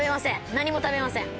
何も食べません。